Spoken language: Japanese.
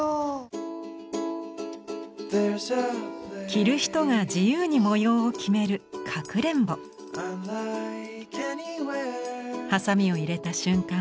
着る人が自由に模様を決めるはさみを入れた瞬間